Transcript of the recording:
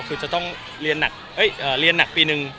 คือจะต้องเรียนหนักเฮ้ยเอ่อเรียนหนักปีหนึ่ง